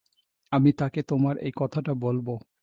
আমি তাকে তোমার এই কথাটা বলব।